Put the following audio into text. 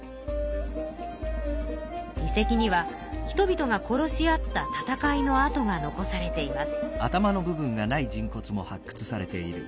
遺跡には人々が殺し合った戦いのあとが残されています。